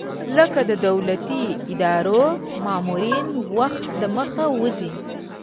لکه د دولتي ادارو مامورین وخت دمخه وځي.